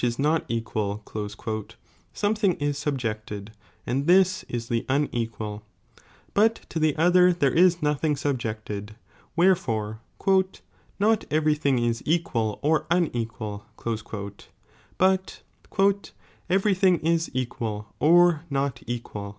IB not equal," something is subjected, and this is the unequal, hut to the other there is nothing suhjeeted, wherefore " not every thing is equal or unequal," but "every thing is equal or not equal."